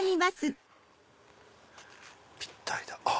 ぴったりだ。